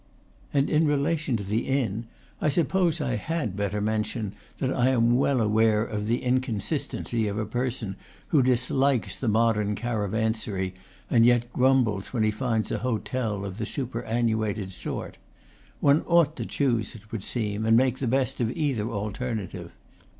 And in relation to the inn, I suppose I had better mention that I am well aware of the in consistency of a person who dislikes the modern cara vansary, and yet grumbles when he finds a hotel of the superannuated sort. One ought to choose, it would seem, and make the best of either alternative.